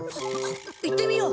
行ってみよう。